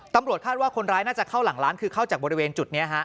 ตำรวจคาดว่าคนร้ายน่าจะเข้าหลังร้านคือเข้าจากบริเวณจุดนี้ฮะ